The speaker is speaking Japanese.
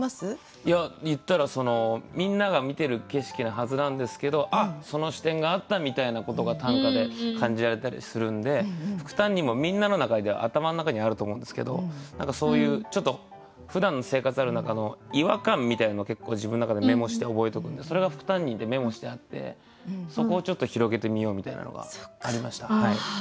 いや言ったらそのみんなが見てる景色なはずなんですけど「あっその視点があった」みたいなことが短歌で感じられたりするんで副担任もみんなの中では頭の中にあると思うんですけど何かそういうちょっとふだんの生活がある中の違和感みたいなのを結構自分の中でメモして覚えとくんでそれが副担任ってメモしてあってそこをちょっと広げてみようみたいなのがありました。